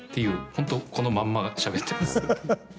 本当このまんましゃべってます。